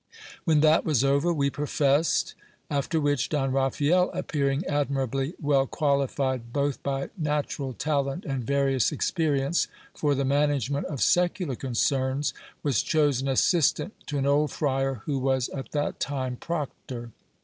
When that was over, we professed ; after which, Don Raphael, appearing admirably well qualified, both by natural talent and various experience, for the management of secular concerns, was chosen assistant to an old friar who was at that time proctor.